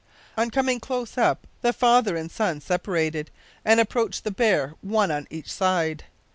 "On coming close up the father and son separated, and approached the bear one on each side.